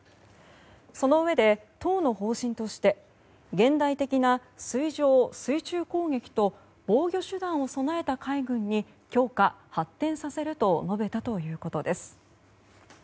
そのうえで、党の方針として現代的な水上・水中攻撃と防御手段を備えた海軍に強化・発展させると述べたということです。